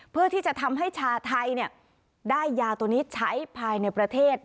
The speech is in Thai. เพื่อที่จะทำให้ชาวไทยได้ยาตัวนี้ใช้ภายในประเทศ